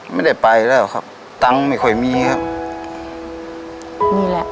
ไม่ได้ไปแล้วครับตังค์ไม่ค่อยมีครับนี่แหละ